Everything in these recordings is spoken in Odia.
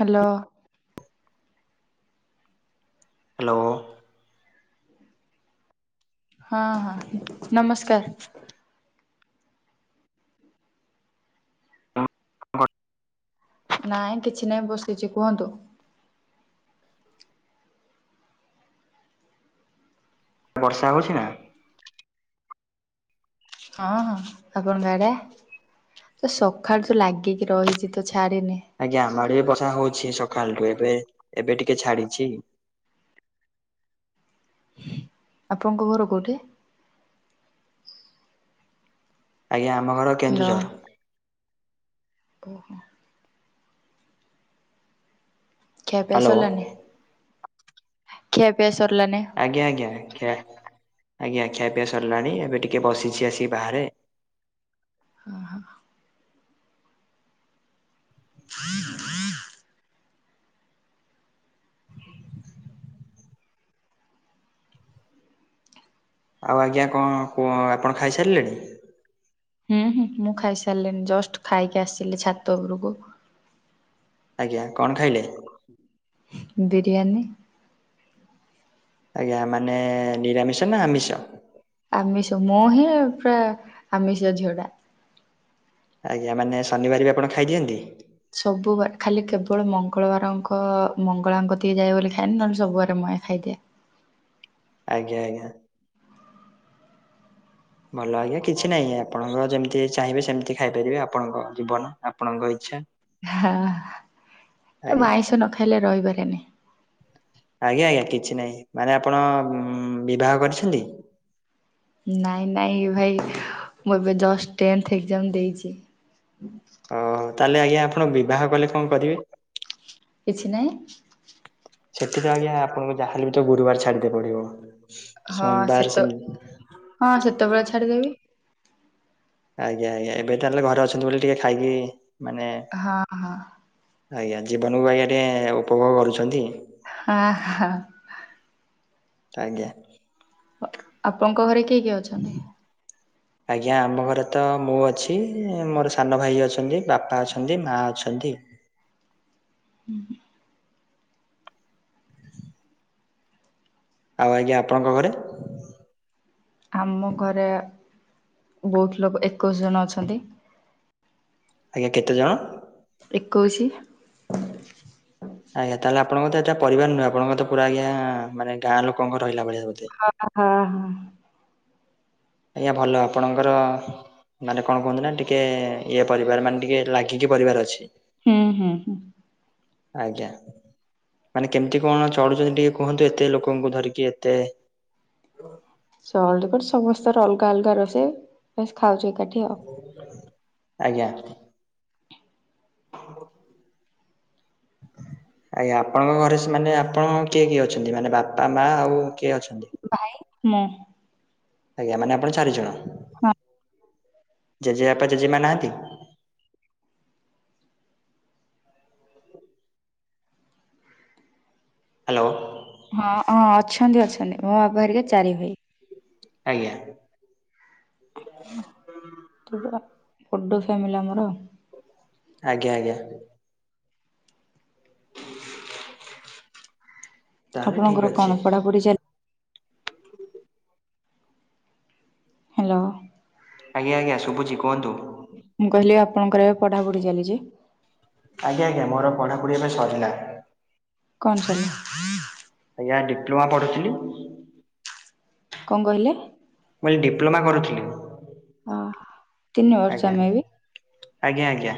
ହାଲୋ। ହାଲୋ। ହଁ ହଁ ନମସ୍କାର୍। ନାଇଁ କିଛି ନାଇଁ ବସିଚି କୁହନ୍ତୁ। ବର୍ଷା ହଉଚି ନା? ହଁ ହଁ ଆପଣଙ୍କ ଆଡେ? ତ ସଖାଳୁ ତ ଲାଗିକି ରହିଚି ତ ଛାଡ଼ିନି। ଆଜ୍ଞା ଆମ ଆଡେ ବି ବର୍ଷା ହଉଛି ସକାଳଠୁ ଏବେ-ଏବେ ଟିକେ ଛାଡିଚି। ଆପଣଙ୍କ ଘର କୋଉଠି? ଆଜ୍ଞା ଆମ ଘର କେନ୍ଦୁଝର୍। ଓ ହ। ଖିଆ ପିଆ ହ୍ୟାଲୋ। ସରିଲାନି ଖିଆ ପିଆ ସରିଲାନି? ଆଜ୍ଞା ଆଜ୍ଞା ଖିଆ ଆଜ୍ଞା ଖିଆ ପିଆ ସରିଲାଣି ଏବେ ଟିକେ ବସିଚି ଆସିକି ବାହାରେ। ଓ ହ। ହୁଁ ଆଉ ଆଜ୍ଞା କଣ କୁହ ଆପଣ ଖାଇସାରିଲେଣି? ହୁଁ ହୁଁ ମୁଁ ଖାଇସାରିଲିଣିି ଜଷ୍ଟ ଖାଇକି ଆସିଲି ଛାତ ଉପରକୁ ଆଜ୍ଞା କଣ ଖାଇଲେ? ବିରିୟାନୀ। ଆଜ୍ଞା ମାନେ ନିରାମିଷ ନା ଆମିଷ? ଆମିଷ, ମୁଁ ହିଁ ପୁରା ଆମିଷ ଝିଅଟା। ଆଜ୍ଞା ମାନେ ଶନିବାର ବି ଆପଣ ଖାଇଦିଅନ୍ତି? ସବୁ ବାର ଖାଲି କେବଳ ମଙ୍ଗଳବାରଙ୍କ ମଙ୍ଗଳାଙ୍କ ଟିକେ ଯାଏ ବୋଲି ଖାଏନି, ନହେଲେ ସବୁ ବାର ଖାଇଦିଏ। ଆଜ୍ଞା-ଆଜ୍ଞା। ଭଲ ଆଜ୍ଞା କିଛି ନାହିଁ ଆପଣଙ୍କ ଯେମିତି ଚାହିଁବେ ସେମିତି ଖାଇପାରିବେ, ଆପଣଙ୍କ ଜୀବନ ଆପଣଙ୍କ ଇଚ୍ଛା। ହା ଏ ମୁଁ ଆଜ୍ଞା। ଆଇଁଷ ନ ଖାଇଲେ ରହିିପାରେନି। ଆଜ୍ଞା-ଆଜ୍ଞା କିଛି ନାହିଁ, ମାନେ ଆପଣ ବିବାହ କରିଛନ୍ତି? ନାଇଁ-ନାଇଁ ଭାଇ ମୁଁ ଏବେ ଜଷ୍ଟ ଟେନ୍ଥ ଏକ୍ଜାମ ଦେଇଛି। ଓହୋ ତାହେଲେ ଆଜ୍ଞା ଆପଣ ବିବାହ କଲେ କଣ କରିବେ? କିଛି ନାହିଁ। ସେଠି ତ ଆଜ୍ଞା ଆପଣଙ୍କୁ ଯାହା ହେଲେ ବି ତ ଗୁରୁବାର ଛାଡିଦେ ପଡିବ। ହଁ ସେତ ସୋମବାର ସେମି ହଁ ସେତବଳେ ଛାଡ଼ିଦେବି। ଆଜ୍ଞା-ଆଜ୍ଞା ଏବେ ତାହେଲେ ଘରେ ଅଛନ୍ତି ବୋଲି ଟିକେ ଖାଇକି ମାନେ ହଁ-ହଁ। ଆଜ୍ଞା ଜୀବନକୁ ଆଜ୍ଞା ଟିକେ ଉପଭୋଗ କରୁଛନ୍ତି? ହଁ-ହଁ। ଆଜ୍ଞା। ଆପଣଙ୍କ ଘରେ କିଏ-କିଏ ଅଛନ୍ତି? ଆଜ୍ଞା ଆମ ଘରେ ତ ମୁଁ ଅଛି, ମୋର ସାନ ଭାଇ ଅଛନ୍ତି, ବାପା ଅଛନ୍ତି, ମା ଅଛନ୍ତି। [unintelligible] ଆଉ ଆଜ୍ଞା ଆପଣଙ୍କ ଘରେ? ଆମ ଘରେ ବହୁତ୍ ଲୋକ ଏକୋଇଶ ଜଣ ଅଛନ୍ତି। ଆଜ୍ଞା କେତେଜଣ? ଏକୋଇସି। ଆଜ୍ଞା ତାହେଲେ ଆପଣଙ୍କ ତ ଏଟା ପରିବାର ନୁହେଁ, ଆପଣଙ୍କ ତ ପୁରା ଆଜ୍ଞା ମାନେ ଗଁ ଲୋକଙ୍କ ରହିଲା ଭଳିଆ ବୋଧେ। ଆ ହ ହଁ। ଆଜ୍ଞା ଭଲ ଆପଣଙ୍କର ମାନେ କଣ କୁହନ୍ତି ନା ଟିକେ ଇଏ ପରିବାର ମାନେ ଟିକେ ଲାଗିକି ପରିବାର ଅଛି। ହୁଁ-ହୁଁ-ହୁଁ। ଆଜ୍ଞା। ମାନେ କେମ୍ତି କଣ ଚଡୁଚନ୍ତି ଟିକେ କୁହନ୍ତୁ ଏତେ ଲୋକଙ୍କୁ ଧରିକି ଏତେ [unintelligible] ସମସ୍ତଙ୍କର ଅଲଗା-ଅଲଗା ରୋଷେଇ ବାସ୍ ଖାଉଚୁ ଏକାଠି ଆଉ। ଆଜ୍ଞା। ହ ଆଜ୍ଞା ଆପଣଙ୍କ ଘରେ ସେ ମାନେ ଆପଣଙ୍କ କିଏ କିଏ ଅଛନ୍ତି, ମାନେ ବାପା ମା ଆଉ କିଏ ଅଛନ୍ତି? ଭାଇ ମୁଁ। ଆଜ୍ଞା ମାନେ ଆପଣ ଚାରି ଜଣ? ହଁ। ଜେଜେବାପା ଜେଜେମା ନାହାନ୍ତି? ହାଲୋ। ହଁ-ହଁ ଅଛନ୍ତି-ଅଛନ୍ତି ମୋ ବାପ ହେରିକା ଚାରି ଭାଇ। ଆଜ୍ଞା। ପୁରା ବଡ ଫ୍ୟାମିଲି ଆମର। ଆଜ୍ଞା-ଆଜ୍ଞା। ତାହେଲେ ଠିକ ଆପଣଙ୍କର ଅଛି କଣ ପଢାପଢି ଚାଲି ହେଲୋ। ଆଜ୍ଞା-ଆଜ୍ଞା ଶୁଭୁଛି କୁହନ୍ତୁ। ମୁଁ କହିଲି ଆପଣଙ୍କର ଏବେ ପଢାପଢି ଚାଲିଛି? ଆଜ୍ଞା ଆଜ୍ଞା, ମୋର ପଢାପଢ଼ି ଏବେ ସରିଲା। କଣ ସରିଲା? ଆଜ୍ଞା ଡିପ୍ଲୋମା ପଢ଼ୁଥିଲି। କଣ କହିଲେ? ମୁଁ ଏଇ ଡିପ୍ଲୋମା କରୁଥିଲି। ଓ ହ। ଆଜ୍ଞା। ଆଜ୍ଞା ଆଜ୍ଞା,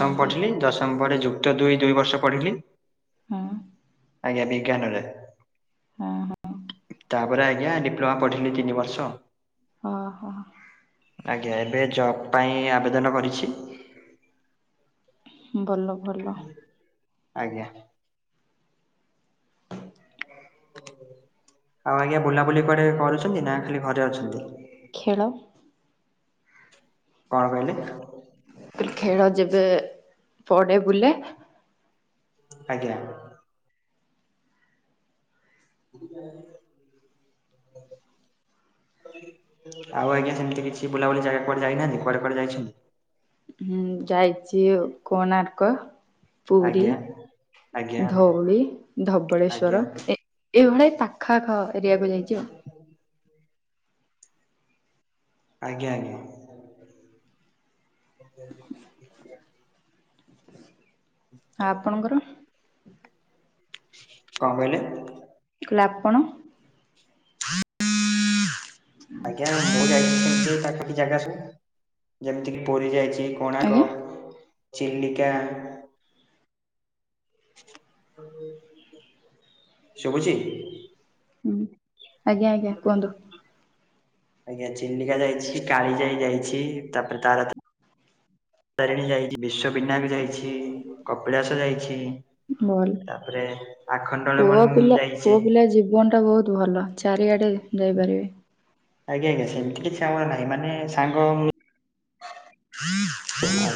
ଅ ହଁ ପଢିଲି ଦଶମ ପରେ ଯୁ କ୍ତ ଦୁଇ, ଦୁଇ ବର୍ଷ ପଢିଲି। ହଁ। ଆଜ୍ଞା ବିଜ୍ଞାନରେ। ହଁ, ହଁ। ତାପରେ ଆଜ୍ଞା ଡିପ୍ଲୋମା ପଢ଼ିଲି ତିନି ବର୍ଷ। ଓହୋ। ଆଜ୍ଞା, ଏବେ ଜବ୍ ପାଇଁ ଆବେଦନ କରିଛି। ଭଲ, ଭଲ। ଆଜ୍ଞା। ଆଉ ଆଜ୍ଞା, ବୁଲାବୁଲି କୁଆଡେ କରୁଛନ୍ତି? ନା ଖାଲି ଘରେ ଅଛନ୍ତି? ଖେଳ। କଣ କହିଲେ? ଖେଳ ଯେବେ ପଡ଼େ ବୁଲେ। ଆଜ୍ଞା। [unintelligible] ଆଉ ଆଜ୍ଞା, ସେମିତି କିଛି ବୁଲାବୁଲି ଜାଗା କୁଆଡେ ଯାଇନାହାନ୍ତି? କୁଆଡେ, କୁଆଡେ ଯାଇଛନ୍ତି? ହୁଁ ଯାଇଚି କୋଣାର୍କ ପୁରୀ, ଆଜ୍ଞା। ଆଜ୍ଞା ଧଉଳି, ଆଜ୍ଞା ଧବଳେଶ୍ଵର ଏଇଭଳିଆ ପାଖା, ଆଖ [inaudible] ଆଜ୍ଞା, ଆଜ୍ଞା। ହୁଁ ହୁଁ ଆପଣଙ୍କର? କଣ କହିଲେ? କ- ଆପଣ? ଆଜ୍ଞା ମୁଁ ଯାଇଛି, ସେମିତି ପାଖାପାଖି ଜାଗା ସବୁ। ଯେମିତି କିି ପୁରୀ ଯାଇଛି କୋଣାର୍କ, ଆଜ୍ଞା ଚିଲିକା ଶୁଭୁଛି? ହୁଁ ଆଜ୍ଞା ଆଜ୍ଞା, କୁହନ୍ତୁ? ଆଜ୍ଞା ଚିଲିକା ଯାଇଛି, କାଳି ଯାଇ ଯାଇଛି, ତାପରେ ତାର ତା ତାରିଣୀ ଯାଇଛି। ବିଶ୍ଵ ବିନାୟକ ଯାଇଛି। କପିଳାସ ଯାଇଛି। ଭଲ୍, ତାପରେ ପୁଅ ଆଖଣ୍ଡଳମଣି ପିଲା ଯାଇଛି। ପୁଅ ପିଲା ଜୀବନ ଟା ବୋହୁତ୍ ଭଲ। ଚାରିଆଡ଼େ ଯାଇପାରିବେ। ଆଜ୍ଞା ଆଜ୍ଞା। ସେମିତି କିଛି ଆମର ନାହିଁ। ମାନେ ସାଙ୍ଗ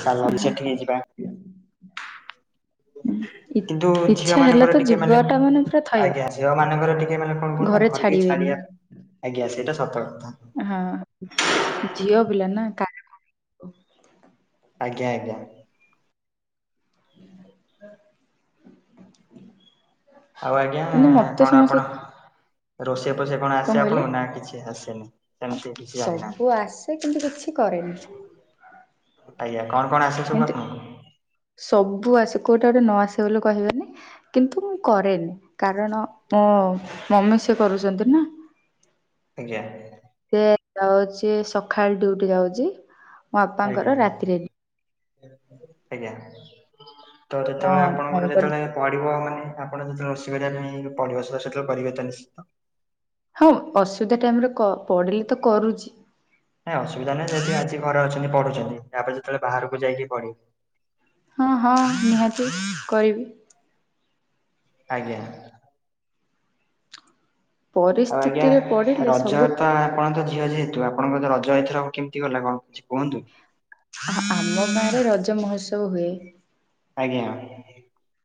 ଚାଲ ଆହା ସେଠିକି ଯିବା। ଇ କିନ୍ତୁ ଝିଅ ଇଚ୍ଛା ହେଲା ମାନଙ୍କର ତ ଟିକେ ମାନେ, ଯିବାଟା ପୁରା ଥୟ। ଆଜ୍ଞା ଝିଅ ମାନଙ୍କର ଟିକେ ମାନେ କଣ କହନ୍ତି ଘରେ ଘ ଟିକେ ଛାଡିବେନି ଛାଡିବା, ଆଜ୍ଞା ସେଇଟା ସତ କଥା। ହଁ ଝିଅ ପିଲା ନା ଆଜ୍ଞା, ଆଜ୍ଞା। ଆଉ ଆଜ୍ଞା କିନ୍ତୁ ମତେ କଣ ସମସ୍ତେ ଆପଣ ରୋଷେଇ ପୋଷେଇ କଣ ଆସେ ଆପଣଙ୍କୁ? ନା କିଛି ଆସେନି ସେମିତି କିଛି ଜାଣିନା ସେ କିନ୍ତୁ କିଛି କରେ ଆଜ୍ଞା କଣ କଣ ଆସେ ସବୁ କିନ୍ତୁ ଆପଣଙ୍କୁ? ସବୁ ଆସେ କୋଉଟା ଗୋଟେ ନ ଆସେ ବୋଲି କହିବେନି। କିନ୍ତୁ ମୁଁ କରେନି କାରଣ ମୋ ମମି ସେ କରୁଚନ୍ତି ନା। ଆଜ୍ଞା। ସେ ଯାଉଚି ସଖାଳେ ଡୁଟି ଯାଉଚି। ଆଜ୍ଞା ଆଜ୍ଞା। ତ ମୋ ଯେତେବେଳେ ଆପଣଙ୍କର ମମିଙ୍କର ଯେତେବେଳେ ପଡିବ ମାନେ ଆପଣ ଯେତେବେଳେ ଅସୁବିଧାରେ ପଡିବ ସେତ୍ ସେତେବେଳ କରିବେ ତ ନିଶ୍ଚିତ? ହଁ ଅସୁବିଧା ଟାଇମରେ କ ପଡିଲେ ତ କରୁଚି। ନାଇଁ ଅସୁବିଧା ନାହିଁ ଯଦି ଆଜି ଘରେ ଅଛନ୍ତି ପଢୁଚନ୍ତି ୟାପରେ ଯେତେବେଳେ ବାହାରକୁ ଯାଇକି ପଢି ହଁ ହଁ ନିହାତି କରିବି। ଆଜ୍ଞା। ଆଉ ଆଜ୍ଞା ପରିସ୍ଥିତିରେ ପଡିଲେ ରଜ ସବୁ ତ ଆପଣ ତ ଜା ଝିଅ ଯେହେତୁ ଆପଣଙ୍କ ତ ରଜ ଏଇଥର କେମୀତି ଗଲା କଁ କିଛି କୁହନ୍ତୁ? ଆ ଆମ ଗାଁରେ ରଜ ମହୋତ୍ସବ ହୁଏ। ଆଜ୍ଞା।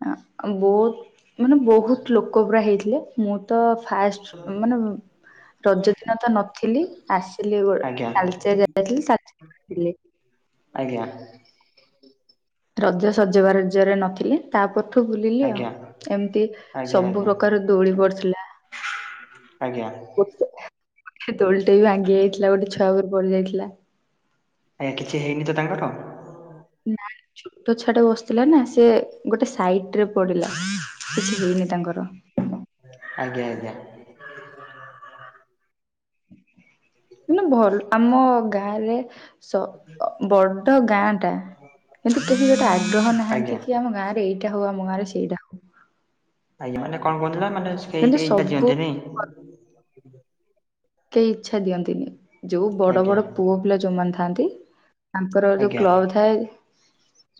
ଆ ବୋଉ ମାନେ ବହୁତ ଲୋକ ପୁରା ହେଇଥିଲେ ମୁଁ ତ ଫାସ ମାନେ ବ ରଜ ଦିନ ତ ନଥିଲି ଆସିଲି ବ ଆଜ୍ଞା ତାଳଚେର ଯାଇଥିଲି ସା ଥିଲେ ଆଜ୍ଞା। ରଜ ସଜବା ରଜରେ ନଥିଲି ତା ପରଠୁ ବୁଲିଲି ଆଉ ଆଜ୍ଞା ଆଜ୍ଞା ଏମିତି ସବୁ ଆଜ୍ଞା। ପ୍ରକାର ଦୋଳି ପଡିଥିଲା। ଆଜ୍ଞା। ଗୋଟେ ସେ ଦୋଳିଟେ ବି ଭାଙ୍ଗି ଯାଇଥିଲା ଗୋଟେ ଛୁଆ ଉପରେ ପଡି ଯାଇଥିଲା। ଆଜ୍ଞା କିଛି ହେଇନି ତ ତାଙ୍କର? ନା ଛୋଟ ଛୁଆଟା ବସିଥିଲା ନା ସେ ଗୋଟେ ସାଇଟରେ ପଡିଲା। କିଛି ହେଇନି ତାଙ୍କର। ଆଜ୍ଞା ଆଜ୍ଞା। ଏମେ ଭଲ ଆମ ଗାଁରେ ସ ଅ ବଡ ଗାଁ ଟା। କିନ୍ତୁ କେହି ଗୋଟେ ଆଗ୍ରହ ଆଜ୍ଞା। ନାହାନ୍ତି କି ଆମ ଗାଁରେ ଏଇଟା ହଉ ଆମ ଗାଁ ରେ ସେଇଟା ହଉ। ଆଜ୍ଞା ମାନେ କଁ କୁହନ୍ତି ନା ମାନେ ସେ କେହି କିନ୍ତୁ ଟେହି ଇଟା ସବୁ ଦିଅନ୍ତିନି। କେଇ ଇଚ୍ଛା ଦିଅନ୍ତିନି ଯୋଉ ବଡ ଆଜ୍ଞା ବଡ ପୁଅ ପିଲା ଯୋଉମାନେ ଥାଆନ୍ତି ତାଙ୍କର ଯୋଉ ଆଜ୍ଞା କ୍ଲବ ଥାଏ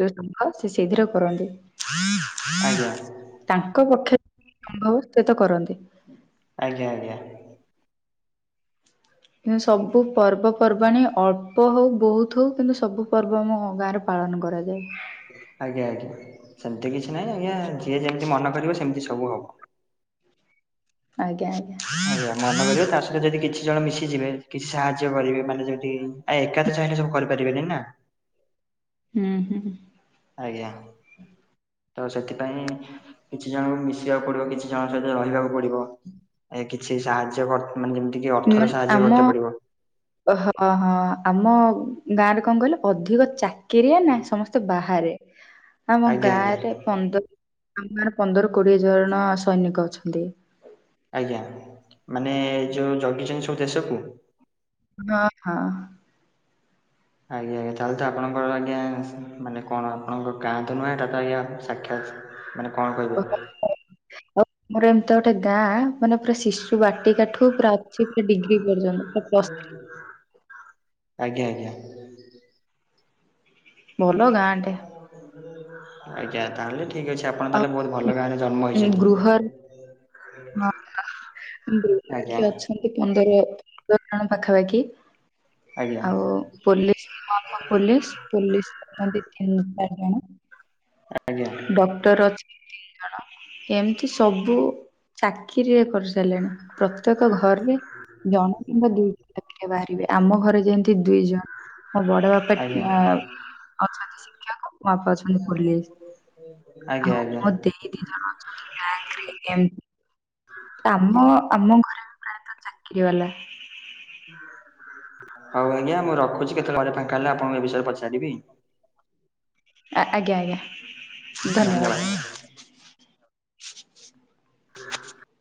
ଯୋଉ ସଂଘ ସେ ସେଇଥିରେ କରନ୍ତି। ଆଜ୍ଞା। ତାଙ୍କ ପକ୍ଷ ତିକି ସମ୍ଭବ ତେତ କରନ୍ତି। ଆଜ୍ଞା ଆଜ୍ଞା। ଆଜ୍ଞା କିନ୍ତୁ ସବୁ ପର୍ବପର୍ବାଣି ଅଳ୍ପ ହଉ ବହୁତ ହଉ କିନ୍ତୁ ସବୁ ପର୍ବ ଆମ ଗାଁରେ ପାଳନ କରାଯାଏ। ଆଜ୍ଞା ଆଜ୍ଞା ସେମିତି କିଛି ନାହିଁ ଆଜ୍ଞା ଯିଏ ଯେମିତି ମନ କରିବ ସେମିତି ସବୁ ହବ। ଆଜ୍ଞା ଆଜ୍ଞା। ଆଜ୍ଞା ମନେ କରିବେ ତା ସହିତ ଯଦି କିଛି ଜଣ ମିଶିଯିବେ କିଛି ସାହାଯ୍ୟ କରିବେ ମାନେ ଯେ ଟିଁ ଆ ଏକାତ ଚାହିଁଲେ ସବୁ କରିପାରିବେନି ନା। ହୁଁ ହୁଁ। ଆଜ୍ଞା। ତ ସେଥିପାଇଁ କିଛି ଜଣଙ୍କୁ ମିଶିବାକୁ ପଡିବ କିଛି ଜଣଙ୍କ ସହିତ ରହିବାକୁ ପଡ଼ିବ ଏ କିଛି ସାହାଯ୍ୟ କର ମାନେ ଯେମିତିକି ଅର୍ଥର ସାହାଯ୍ୟ କରତେ ପଡିବ। ଓହୋ ଅହଁ ଆମ ଗାଁରେ କଁ କହିଲ ଅଧିକ ଚାକିରିଆ ନା ସମସ୍ ତ ବାହାରେ ଆମ ଆଜ୍ଞା ଆଜ୍ଞା ଗାଁରେ ପନ୍ଦର ଆମ ଗାଁରେ ପନ୍ଦର କୋଡିଏ ଜଣ ସୈନିକ ଅଛନ୍ତି। ଆଜ୍ଞା ମାନେ ଯୋଉ ଜଗିଛନ୍ତି ସବୁ ଦେଶକୁ? ହଁ ହଁ। ଆଜ୍ଞା ଆଜ୍ଞା ତାହେଲେ ତ ଆପଣଙ୍କର ଆଜ୍ଞା ମାନେ କଣ ଆପଣଙ୍କ ଗାଁ ତ ନୁହେଁ ଏଟା ତ ଆଜ୍ଞା ସାକ୍ଷାତ ମାନେ କଣ କହିବେ? ଆମର ଏମିତି ଗୋଟେ ଗାଁ ମାନେ ପୁରା ଶିଶୁ ବାଟିକାଠୁ ପୁରା ସିକ୍ଟୀ ପୁରା ଡିଗ୍ରୀ ପର୍ଯ୍ୟନ୍ତ ପୁରା ପ୍ଲସ [inaudible] ଆଜ୍ଞା ଆଜ୍ଞା। ଭଲ ଗାଁଟେ। ଆଜ୍ଞା ତାହେଲେ ଠିକ୍ ଅଛି ଆପଣ ଆଉ ତାହେଲେ ବହୁତ ଭଲ ଗାଁରେ ଜନ୍ମ ଉଁ ଗୃହରେ ହେଇଛନ୍ତି। ହଁ [unintelligible] ଆଜ୍ଞା। ଅଛନ୍ତି ପନ୍ଦର ପନ୍ଦର ଜଣ ପାଖାପାଖି ଆଜ୍ଞା ଆଉ ପୋଲିସ ମାମା ପୋଲିସ ପୋଲିସ ଅଛନ୍ତି ତିନି ଚାରି ଜଣ। ଆଜ୍ଞା। ଡକ୍ଟର ଅଛନ୍ ଜଣ। ଏମିତି ସବୁ ଚାକିରିରେ କରି ସାରିଲେଣି ପ୍ରତ୍ୟେକ ଘରେ ଜଣେ କିମ୍ବା ଦୁଇ ଜଣ ଚାକିରିଆ ବାହାରିବେ ଆମ ଘରେ ଯେମିତି ଦୁଇ ଜଣ। ମୋ ବଡ ବାପା ଆଜ୍ଞା ଅ ଅଛନ୍ତି ଶିକ୍ଷକ ମୋ ବାପା ଅଛନ୍ତି ପୋଲିସ। ଆଜ୍ଞା ଆଉ ଆଜ୍ଞା। ମୋ ଦେଇ ଦି ଜଣ ଅଛନ୍ତି ବ୍ୟାଙ୍କରେ ଏମ୍ କାମ ଆମ ଘରେ ପ୍ରାୟତଃ ଚାକିରି ବାଲା। ହଉ ଆଜ୍ଞା ମୁଁ ରଖୁଛି କେତେବେଳେ ଘରେ ଫାଙ୍କା ହେଲେ ଆପଣଙ୍କୁ ଏ ବିଷୟରେ ପଚାରିବି। ଆଜ୍ଞା ଆଜ୍ଞା ଧନ୍ୟବାଦ। ଧନ୍ୟବାଦ। [inaudible]